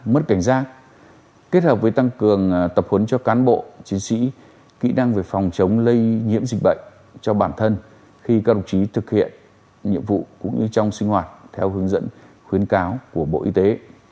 mất cảnh giác kết hợp với tăng cường tập huấn cho cán bộ chiến sĩ kỹ năng về phòng chống lây nhiễm dịch bệnh cho bản thân khi các đồng chí thực hiện nhiệm vụ cũng như trong sinh hoạt theo hướng dẫn khuyến cáo của bộ y tế